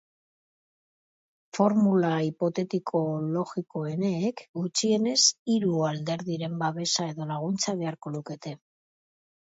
Formula hipotetiko logikoenek gutxienez hiru alderdiren babesa edo laguntza beharko lukete.